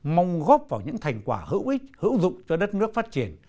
mong góp vào những thành quả hữu ích hữu dụng cho đất nước phát triển